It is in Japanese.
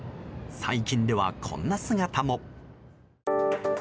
最近では、こんな姿も。